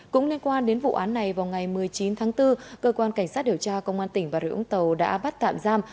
cũng liên quan đến vụ án này vào ngày một mươi chín tháng bốn cơ quan cảnh sát điều tra công an tỉnh bà rịa úng tàu đã bắt tạm giam